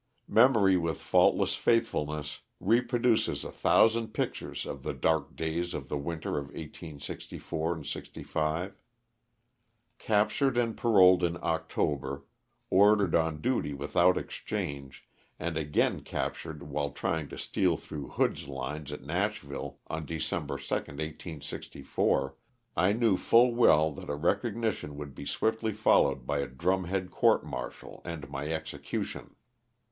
Memory with faultless faithfulness, reproduces a thousand pictures of the dark days of the winter of 1864 5. Captured and paroled in October; ordered on duty without exchange, and again captured while trying to steal through Hood^s lines at Nashville on December 2, 1864, I knew full well that a recognition would be swiftly followed by a drumhead court martial and my execution.